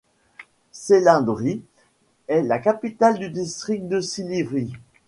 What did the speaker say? Sélymbrie est la capitale du district de Silivri.